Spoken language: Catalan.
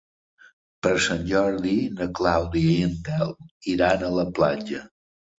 Per Sant Jordi na Clàudia i en Telm iran a la platja.